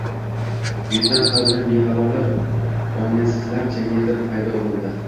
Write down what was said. Yuzidan, qalbidan bexabarlar – oynasizlar jamiyati paydo bo‘ldi.